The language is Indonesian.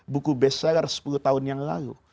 buku best seller sepuluh tahun yang lalu